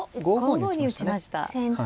５五に打ちましたね。